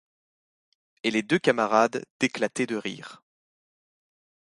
Et les deux camarades d’éclater de rire.